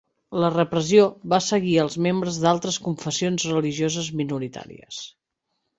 La repressió va seguir als membres d'altres confessions religioses minoritàries.